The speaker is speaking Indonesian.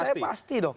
menurut saya pasti dong